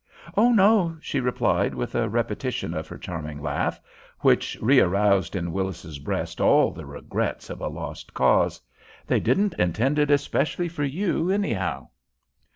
"Oh no," she replied, with a repetition of her charming laugh, which rearoused in Willis's breast all the regrets of a lost cause. "They didn't intend it especially for you, anyhow."